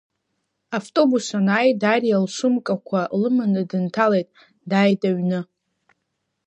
Автобус анааи, Дариа лсумкақәа лыманы дынҭалеит, дааит аҩны.